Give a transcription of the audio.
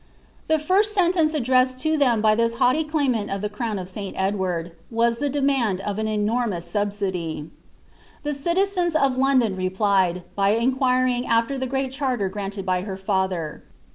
The first sentence addressed to them by this haughty claimant of the rrown of St Edward, was the demand of an enormous subsidy. The citizens of London replied, by inquiring after the great charter granted by her fiither.